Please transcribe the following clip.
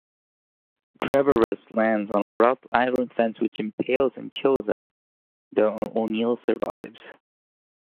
Traveres lands on a wrought-iron fence which impales and kills him, though O'Neill survives.